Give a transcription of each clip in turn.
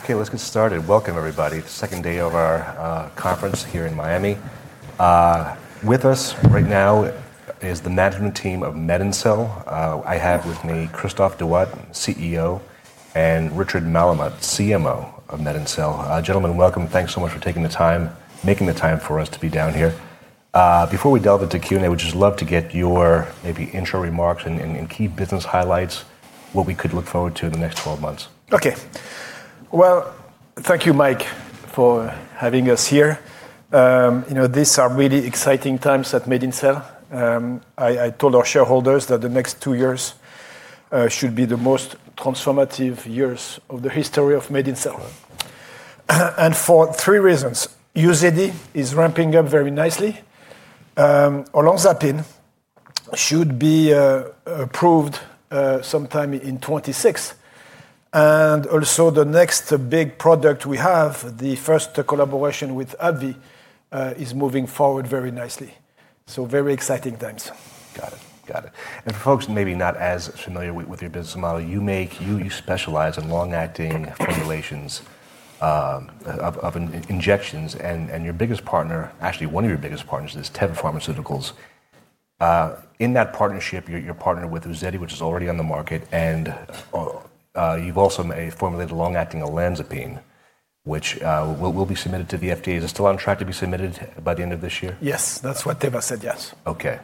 Okay, let's get started. Welcome, everybody. It's the second day of our conference here in Miami. With us right now is the management team of MedinCell. I have with me Christophe Douat, CEO, and Richard Malamut, CMO of MedinCell. Gentlemen, welcome. Thanks so much for taking the time, making the time for us to be down here. Before we delve into Q&A, we'd just love to get your maybe intro remarks and key business highlights, what we could look forward to in the next 12 months. Okay. Thank you, Mike, for having us here. These are really exciting times at MedinCell. I told our shareholders that the next two years should be the most transformative years of the history of MedinCell. For three reasons. UZEDY is ramping up very nicely. Olanzapine should be approved sometime in 2026. Also, the next big product we have, the first collaboration with AbbVie, is moving forward very nicely. Very exciting times. Got it. Got it. And for folks maybe not as familiar with your business model, you specialize in long-acting formulations of injections. And your biggest partner, actually one of your biggest partners, is Teva Pharmaceuticals. In that partnership, you're partnered with UZEDY, which is already on the market. And you've also formulated long-acting olanzapine, which will be submitted to the FDA. Is it still on track to be submitted by the end of this year? Yes. That's what Teva said, yes. Okay.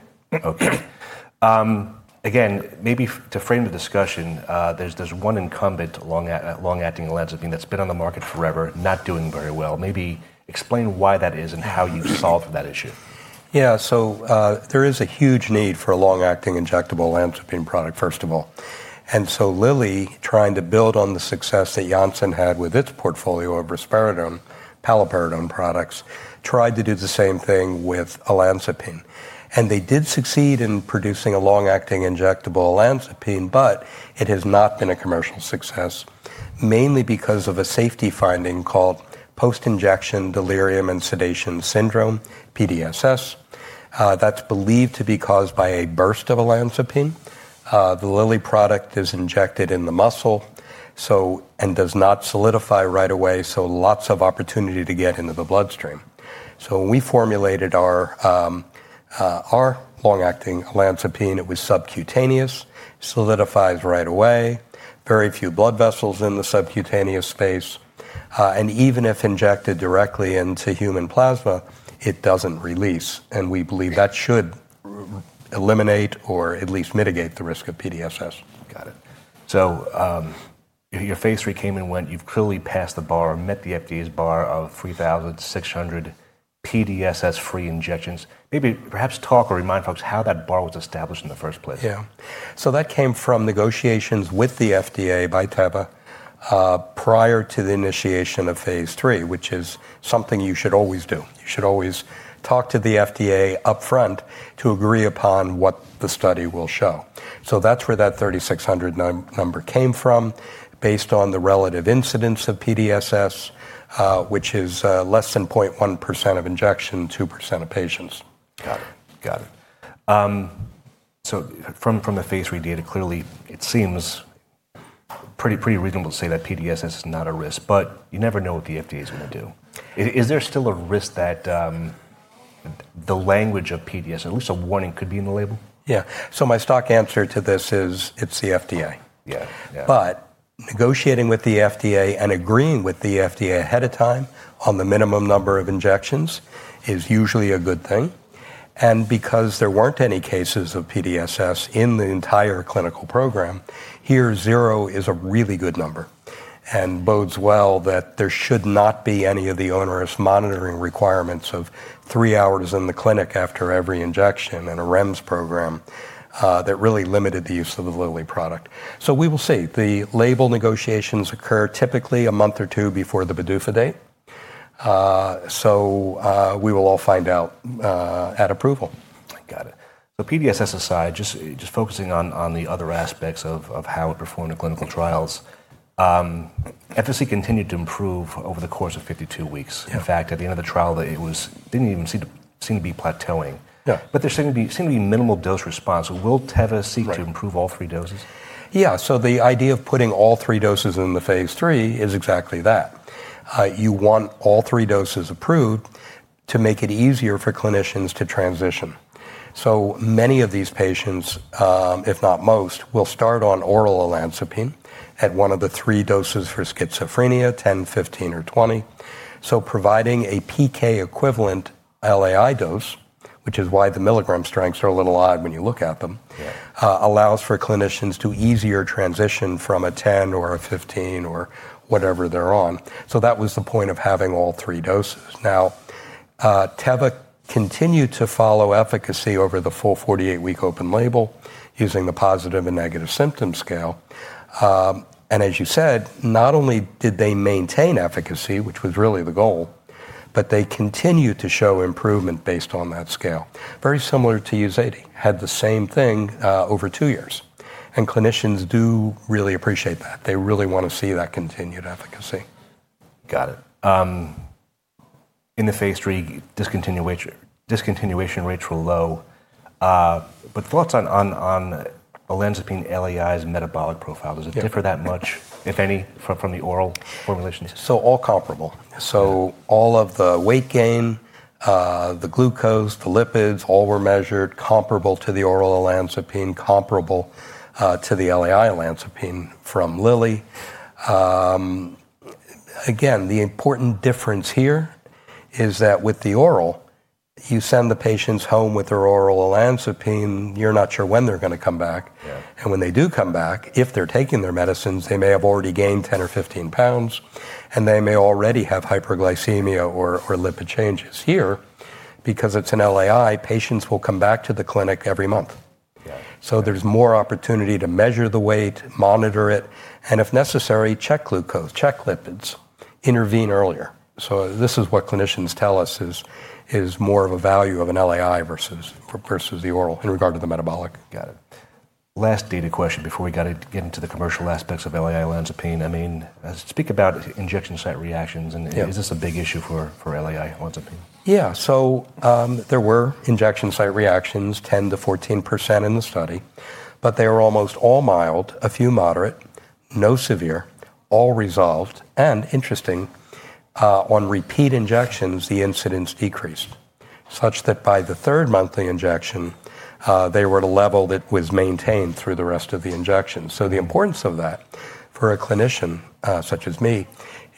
Again, maybe to frame the discussion, there's one incumbent long-acting olanzapine that's been on the market forever, not doing very well. Maybe explain why that is and how you solved that issue. Yeah. So there is a huge need for a long-acting injectable olanzapine product, first of all. And so Lilly, trying to build on the success that Janssen had with its portfolio of risperidone, paliperidone products, tried to do the same thing with olanzapine. And they did succeed in producing a long-acting injectable olanzapine, but it has not been a commercial success, mainly because of a safety finding called post-injection delirium and sedation syndrome, PDSS, that's believed to be caused by a burst of olanzapine. The Lilly product is injected in the muscle and does not solidify right away, so lots of opportunity to get into the bloodstream. So when we formulated our long-acting olanzapine, it was subcutaneous, solidifies right away, very few blood vessels in the subcutaneous space. And even if injected directly into human plasma, it doesn't release. We believe that should eliminate or at least mitigate the risk of PDSS. Got it. So your phase III came and went. You've clearly passed the bar, met the FDA's bar of 3,600 PDSS-free injections. Maybe perhaps talk or remind folks how that bar was established in the first place. Yeah. So that came from negotiations with the FDA by Teva prior to the initiation of phase III, which is something you should always do. You should always talk to the FDA upfront to agree upon what the study will show. So that's where that 3,600 number came from, based on the relative incidence of PDSS, which is less than 0.1% of injection, 2% of patients. Got it. Got it. So from the phase III data, clearly, it seems pretty reasonable to say that PDSS is not a risk, but you never know what the FDA is going to do. Is there still a risk that the language of PDSS, at least a warning, could be in the label? Yeah, so my stark answer to this is it's the FDA. Yeah. But negotiating with the FDA and agreeing with the FDA ahead of time on the minimum number of injections is usually a good thing. And because there weren't any cases of PDSS in the entire clinical program, here, zero is a really good number. And bodes well that there should not be any of the onerous monitoring requirements of three hours in the clinic after every injection and a REMS program that really limited the use of the Lilly product. So we will see. The label negotiations occur typically a month or two before the PDUFA date. So we will all find out at approval. Got it. The PDSS aside, just focusing on the other aspects of how it performed in clinical trials, efficacy continued to improve over the course of 52 weeks. In fact, at the end of the trial, it didn't even seem to be plateauing. But there seemed to be minimal dose response. Will Teva seek to improve all three doses? Yeah. The idea of putting all three doses in the phase III is exactly that. You want all three doses approved to make it easier for clinicians to transition. Many of these patients, if not most, will start on oral olanzapine at one of the three doses for schizophrenia, 10, 15, or 20. Providing a PK equivalent LAI dose, which is why the milligram strengths are a little odd when you look at them, allows for clinicians to easier transition from a 10 or a 15 or whatever they're on. That was the point of having all three doses. Teva continued to follow efficacy over the full 48-week open-label using the Positive and Negative Syndrome Scale. As you said, not only did they maintain efficacy, which was really the goal, but they continued to show improvement based on that scale. Very similar to UZEDY, had the same thing over two years, and clinicians do really appreciate that. They really want to see that continued efficacy. Got it. In the phase III, discontinuation rates were low. But thoughts on olanzapine LAI's metabolic profile? Does it differ that much, if any, from the oral formulation? All comparable. All of the weight gain, the glucose, the lipids, all were measured comparable to the oral olanzapine, comparable to the LAI olanzapine from Lilly. Again, the important difference here is that with the oral, you send the patients home with their oral olanzapine. You're not sure when they're going to come back and when they do come back, if they're taking their medicines, they may have already gained 10 or 15 pounds, and they may already have hyperglycemia or lipid changes. Here, because it's an LAI, patients will come back to the clinic every month. There's more opportunity to measure the weight, monitor it, and if necessary, check glucose, check lipids, intervene earlier. This is what clinicians tell us is more of a value of an LAI versus the oral in regard to the metabolic. Got it. Last data question before we got to get into the commercial aspects of LAI olanzapine. I mean, speak about injection site reactions, and is this a big issue for LAI olanzapine? Yeah. So there were injection site reactions, 10%-14% in the study, but they were almost all mild, a few moderate, no severe, all resolved, and interesting, on repeat injections, the incidence decreased such that by the third monthly injection, they were at a level that was maintained through the rest of the injection, so the importance of that for a clinician such as me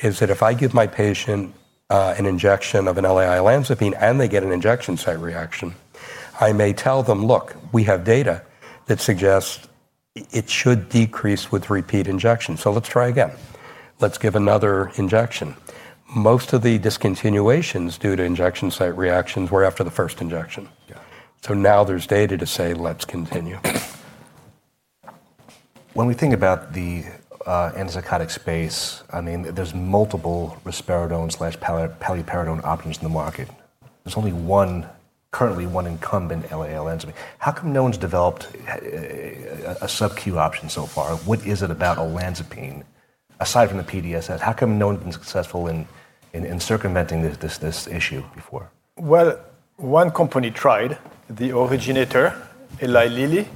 is that if I give my patient an injection of an LAI olanzapine and they get an injection site reaction, I may tell them, "Look, we have data that suggests it should decrease with repeat injections. So let's try again. Let's give another injection." Most of the discontinuations due to injection site reactions were after the first injection, so now there's data to say, "Let's continue." When we think about the antipsychotic space, I mean, there's multiple risperidone/paliperidone options in the market. There's only currently one incumbent LAI olanzapine. How come no one's developed a subQ option so far? What is it about olanzapine aside from the PDSS? How come no one's been successful in circumventing this issue before? One company tried, the originator, Eli Lilly.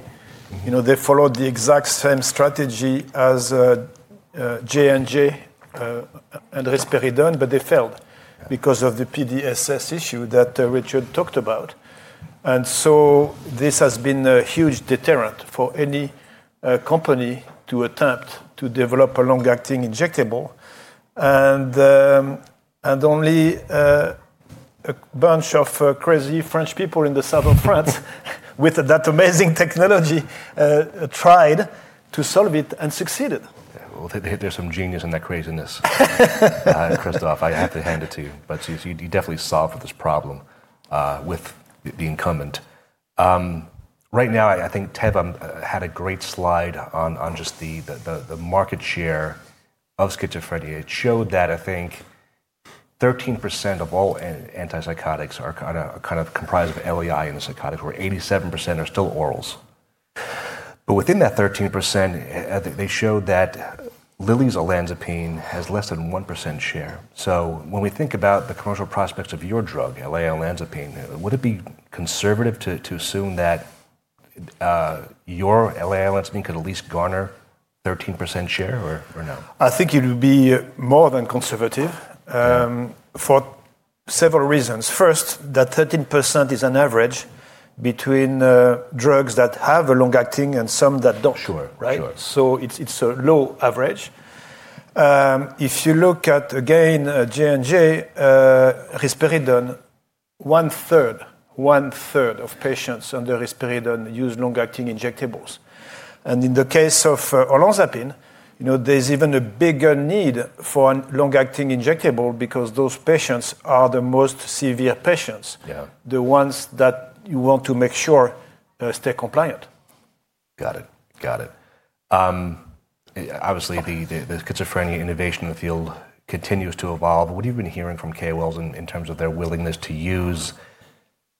They followed the exact same strategy as J&J and risperidone, but they failed because of the PDSS issue that Richard talked about. This has been a huge deterrent for any company to attempt to develop a long-acting injectable. Only a bunch of crazy French people in the South of France with that amazing technology tried to solve it and succeeded. There's some genius in that craziness, Christophe. I have to hand it to you. But you definitely solved this problem with the incumbent. Right now, I think Teva had a great slide on just the market share of schizophrenia. It showed that, I think, 13% of all antipsychotics are kind of comprised of LAI and psychotics, where 87% are still orals. But within that 13%, they showed that Lilly's olanzapine has less than 1% share. So when we think about the commercial prospects of your drug, LAI olanzapine, would it be conservative to assume that your LAI olanzapine could at least garner 13% share or no? I think it would be more than conservative for several reasons. First, that 13% is an average between drugs that have a long-acting and some that don't, right? So it's a low average. If you look at, again, J&J, risperidone, one-third, one-third of patients on the risperidone use long-acting injectables. And in the case of olanzapine, there's even a bigger need for a long-acting injectable because those patients are the most severe patients, the ones that you want to make sure stay compliant. Got it. Got it. Obviously, the schizophrenia innovation in the field continues to evolve. What have you been hearing from KOLs in terms of their willingness to use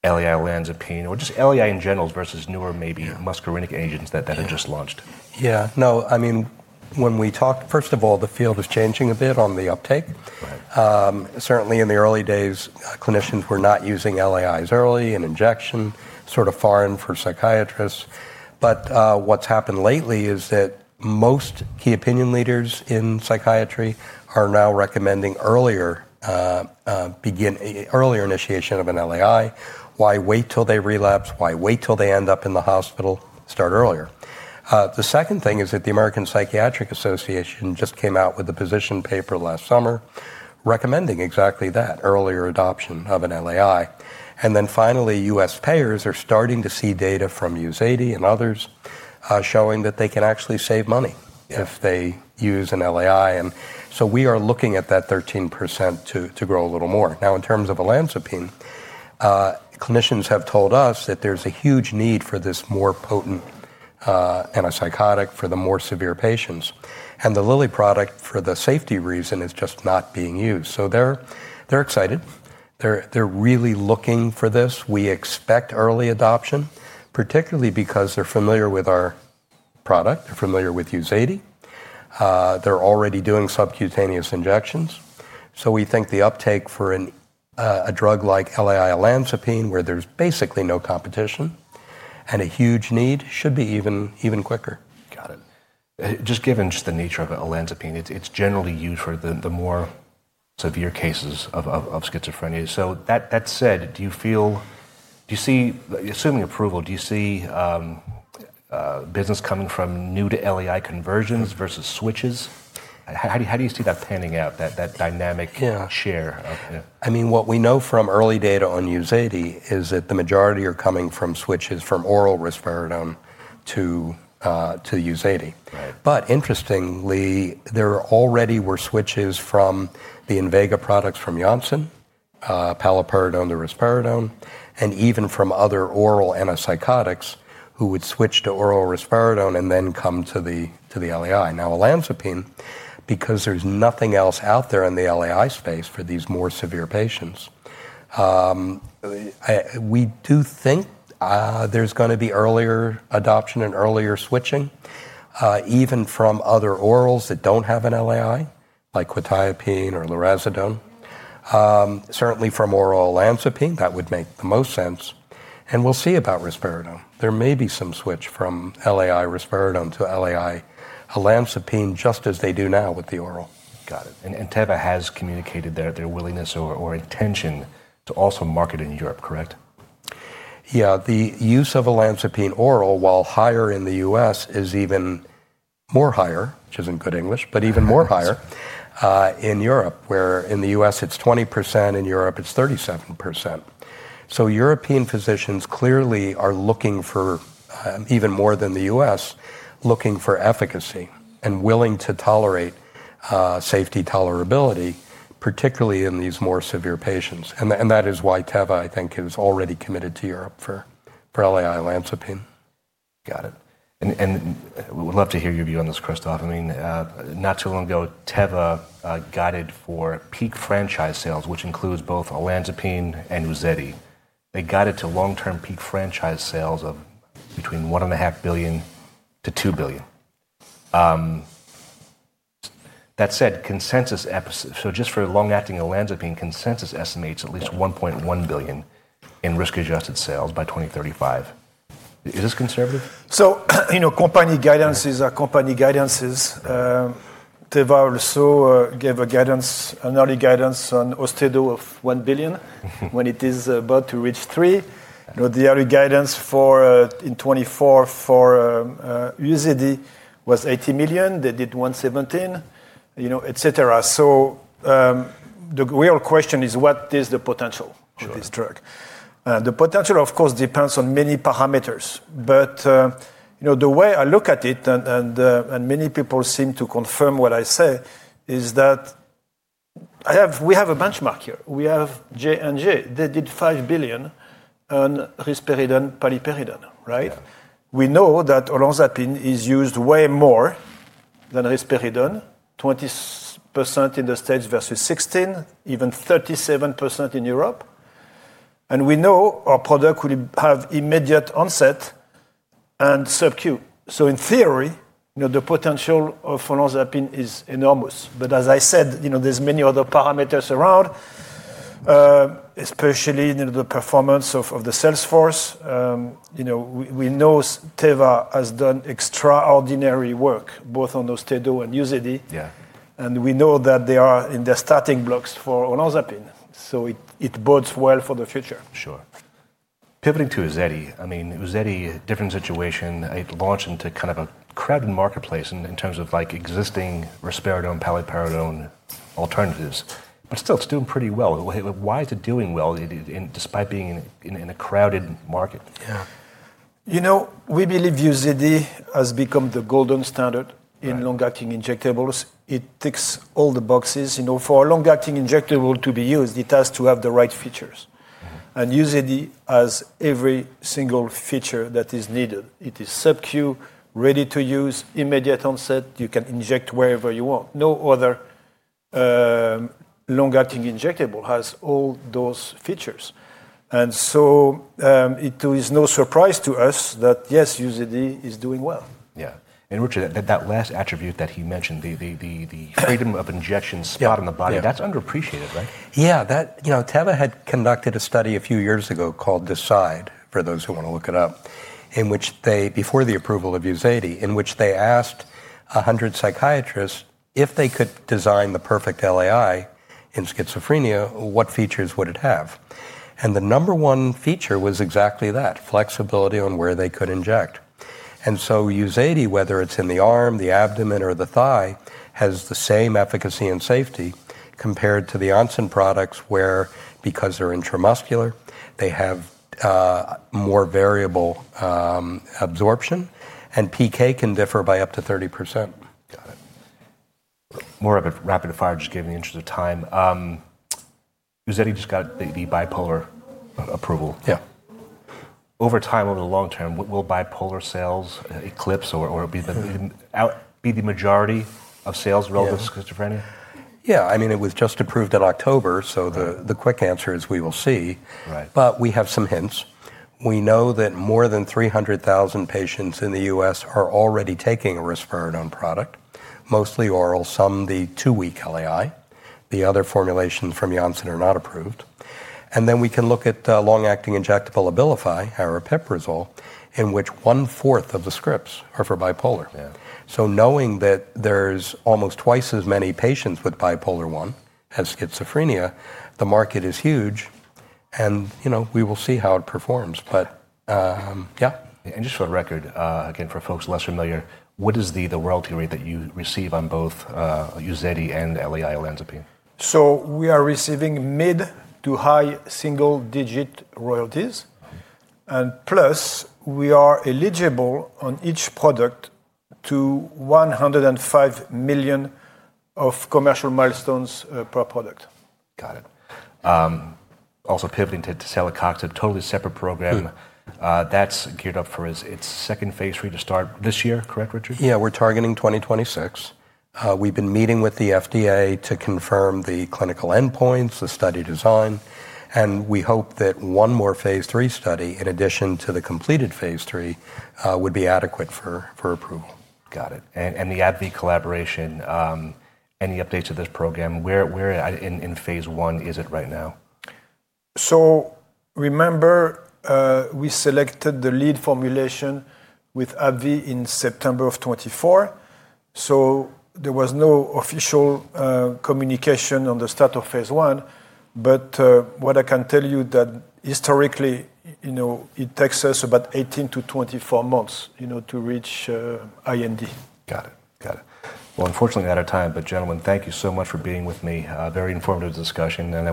LAI olanzapine or just LAI in general versus newer, maybe muscarinic agents that are just launched? Yeah. No, I mean, when we talk, first of all, the field is changing a bit on the uptake. Certainly, in the early days, clinicians were not using LAIs early and injection, sort of foreign for psychiatrists. But what's happened lately is that most key opinion leaders in psychiatry are now recommending earlier initiation of an LAI. Why wait till they relapse? Why wait till they end up in the hospital? Start earlier. The second thing is that the American Psychiatric Association just came out with a position paper last summer recommending exactly that, earlier adoption of an LAI. And then finally, U.S. payers are starting to see data from UZEDY and others showing that they can actually save money if they use an LAI. And so we are looking at that 13% to grow a little more. Now, in terms of olanzapine, clinicians have told us that there's a huge need for this more potent antipsychotic for the more severe patients, and the Lilly product, for the safety reason, is just not being used, so they're excited. They're really looking for this. We expect early adoption, particularly because they're familiar with our product. They're familiar with UZEDY. They're already doing subcutaneous injections, so we think the uptake for a drug like LAI olanzapine, where there's basically no competition and a huge need, should be even quicker. Got it. Just given the nature of olanzapine, it's generally used for the more severe cases of schizophrenia. So that said, do you feel, assuming approval, do you see business coming from new to LAI conversions versus switches? How do you see that panning out, that dynamic share? Yeah. I mean, what we know from early data on UZEDY is that the majority are coming from switches, from oral risperidone to UZEDY. But interestingly, there already were switches from the Invega products from Janssen, paliperidone to risperidone, and even from other oral antipsychotics who would switch to oral risperidone and then come to the LAI. Now, olanzapine, because there's nothing else out there in the LAI space for these more severe patients, we do think there's going to be earlier adoption and earlier switching, even from other orals that don't have an LAI, like quetiapine or lurasidone. Certainly, from oral olanzapine, that would make the most sense. And we'll see about risperidone. There may be some switch from LAI risperidone to LAI olanzapine, just as they do now with the oral. Got it. And Teva has communicated their willingness or intention to also market in Europe, correct? Yeah. The use of olanzapine oral, while higher in the U.S., is even more higher, which isn't good English, but even more higher in Europe, where in the U.S., it's 20%. In Europe, it's 37%. So European physicians clearly are looking for, even more than the U.S., looking for efficacy and willing to tolerate safety tolerability, particularly in these more severe patients. And that is why Teva, I think, is already committed to Europe for LAI olanzapine. Got it. And we'd love to hear your view on this, Christophe. I mean, not too long ago, Teva guided for peak franchise sales, which includes both olanzapine and UZEDY. They guided to long-term peak franchise sales of between $1.5 billion to $2 billion. That said, consensus estimates, so just for long-acting olanzapine, consensus estimates at least $1.1 billion in risk-adjusted sales by 2035. Is this conservative? Company guidance is company guidances. Teva also gave an early guidance on Austedo of $1 billion when it is about to reach $3 billion. The early guidance in 2024 for UZEDY was $80 million. They did $117 million, et cetera. So the real question is, what is the potential of this drug? The potential, of course, depends on many parameters. But the way I look at it, and many people seem to confirm what I say, is that we have a benchmark here. We have J&J. They did $5 billion on risperidone, paliperidone, right? We know that olanzapine is used way more than risperidone, 20% in the States versus 16%, even 37% in Europe. And we know our product will have immediate onset and subQ. So in theory, the potential of olanzapine is enormous. But as I said, there's many other parameters around, especially the performance of the sales force. We know Teva has done extraordinary work, both on Austedo and UZEDY, and we know that they are in the starting blocks for olanzapine, so it bodes well for the future. Sure. Pivoting to UZEDY, I mean, UZEDY, different situation. It launched into kind of a crowded marketplace in terms of existing risperidone, paliperidone alternatives. But still, it's doing pretty well. Why is it doing well despite being in a crowded market? Yeah. You know, we believe UZEDY has become the golden standard in long-acting injectables. It ticks all the boxes. For a long-acting injectable to be used, it has to have the right features. And UZEDY has every single feature that is needed. It is subQ, ready to use, immediate onset. You can inject wherever you want. No other long-acting injectable has all those features. And so it is no surprise to us that, yes, UZEDY is doing well. Yeah, and Richard, that last attribute that he mentioned, the freedom of injection site on the body, that's underappreciated, right? Yeah. Teva had conducted a study a few years ago called DECIDE, for those who want to look it up, before the approval of UZEDY in which they asked 100 psychiatrists if they could design the perfect LAI in schizophrenia, what features would it have? And the number one feature was exactly that, flexibility on where they could inject. And so UZEDY whether it's in the arm, the abdomen, or the thigh, has the same efficacy and safety compared to the Janssen products, where, because they're intramuscular, they have more variable absorption. And PK can differ by up to 30%. Got it. More of a rapid fire, just given the interest of time. UZEDY just got the bipolar approval. Yeah. Over time, over the long term, will bipolar sales eclipse or be the majority of sales relative to schizophrenia? Yeah. I mean, it was just approved in October, so the quick answer is we will see, but we have some hints. We know that more than 300,000 patients in the U.S. are already taking a risperidone product, mostly oral, some the two-week LAI. The other formulations from Janssen are not approved, and then we can look at long-acting injectable Abilify, aripiprazole, in which one-fourth of the scripts are for bipolar, so knowing that there's almost twice as many patients with bipolar I as schizophrenia, the market is huge, and we will see how it performs, but yeah. Just for the record, again, for folks less familiar, what is the royalty rate that you receive on both UZEDY and LAI olanzapine? So we are receiving mid to high single-digit royalties. And plus, we are eligible on each product to $105 million of commercial milestones per product. Got it. Also pivoting to Celecoxib, a totally separate program. That's geared up for its second phase III to start this year, correct, Richard? Yeah. We're targeting 2026. We've been meeting with the FDA to confirm the clinical endpoints, the study design, and we hope that one more phase III study, in addition to the completed phase III, would be adequate for approval. Got it. And the AbbVie collaboration, any updates to this program? Where in phase I is it right now? So remember, we selected the lead formulation with AbbVie in September of 2024. So there was no official communication on the start of phase I. But what I can tell you is that historically, it takes us about 18 months-24 months to reach IND. Got it. Got it. Well, unfortunately, out of time. But gentlemen, thank you so much for being with me. Very informative discussion.